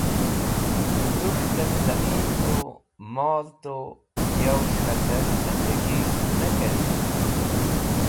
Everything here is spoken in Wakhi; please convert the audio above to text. Kũk̃htẽn zẽmin tu mol tu yavẽs̃h k̃hatẽr ẽndegig̃h ne kert.